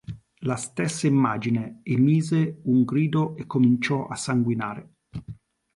La stessa immagine emise un grido e cominciò a sanguinare.